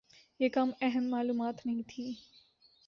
یہ کم اہم معلومات نہیں تھیں۔